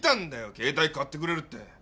携帯買ってくれるって。